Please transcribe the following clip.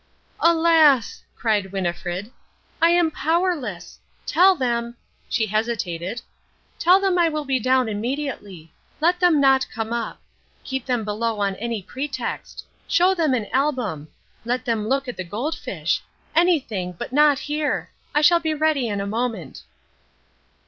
"Alas!" cried Winnifred, "I am powerless. Tell them" she hesitated "tell them I will be down immediately. Let them not come up. Keep them below on any pretext. Show them an album. Let them look at the goldfish. Anything, but not here! I shall be ready in a moment."